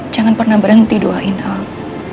jangan pernah berhenti doain allah